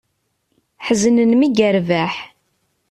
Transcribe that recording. Ḥeznen mi yerbeḥ.